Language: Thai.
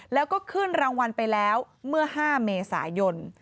แล้วก็ขึ้นรางวัลไปแล้วเมื่อ๕เมษายน